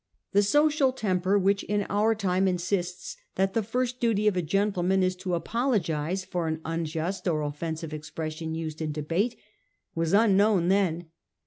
The social temper which in our time insists that the first duty of a gentleman is to apologise for an unjust or offensive expression used in debate, was unknown then.